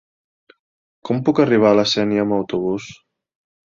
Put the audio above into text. Com puc arribar a la Sénia amb autobús?